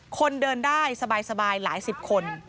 คนเดินได้สบายหลายสิบคน